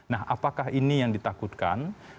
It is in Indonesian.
nah apakah ini yang ditakutkan